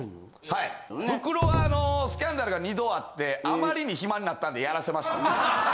はいブクロはスキャンダルが２度あってあまりに暇になったんでやらせました。